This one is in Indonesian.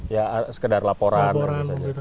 ya sekedar laporan